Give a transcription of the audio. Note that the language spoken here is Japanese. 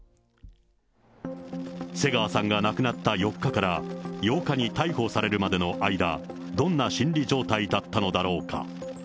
瀬川さんが亡くなった４日から８日に逮捕されるまでの間、どんな心理状態だったのだろうか。